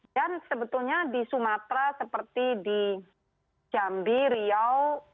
dan sebetulnya di sumatera seperti di jambi riau